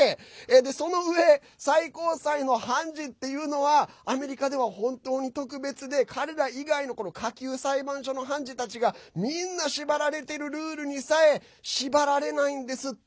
で、そのうえ最高裁の判事っていうのはアメリカでは本当に特別で彼ら以外の下級裁判所の判事たちがみんな縛られているルールにさえ縛られないんですって。